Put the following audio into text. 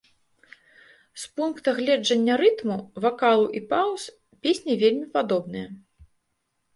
З пункта гледжання рытму, вакалу і паўз, песні вельмі падобныя.